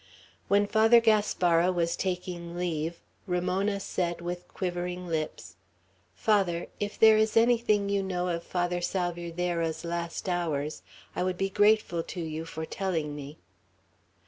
When Father Gaspara was taking leave, Ramona said, with quivering lips, "Father, if there is anything you know of Father Salvierderra's last hours, I would be grateful to you for telling me."